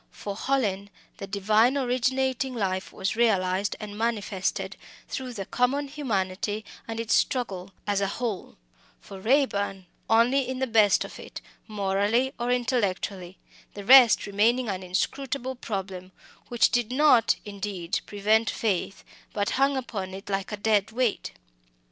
For Hallin, the divine originating life was realised and manifested through the common humanity and its struggle, as a whole; for Raeburn, only in the best of it, morally or intellectually; the rest remaining an inscrutable problem, which did not, indeed, prevent faith, but hung upon it like a dead weight.